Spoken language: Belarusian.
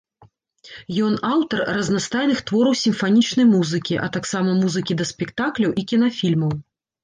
Ён аўтар разнастайных твораў сімфанічнай музыкі, а таксама музыкі да спектакляў і кінафільмаў.